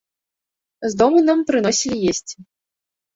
З дому нам прыносілі есці.